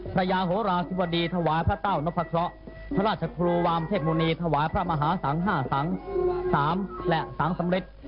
พระยาโหราธิบดีถวายพระเต้านพัชรพระราชครูวามเทพมุณีถวายพระมหาสัง๕สัง๓และสังสำเร็จ